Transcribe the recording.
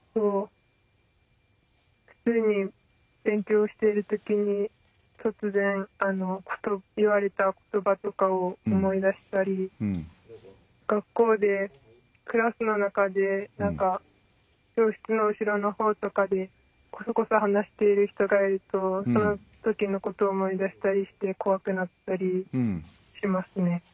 普通に勉強しているときに突然ふと言われた言葉とかを思い出したり学校でクラスの中で教室の後ろのほうとかでこそこそ話している人がいるとそのときのことを思い出したりして怖くなったりしますね。